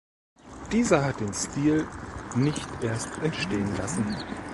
Dieser hat den Stil nicht erst entstehen lassen.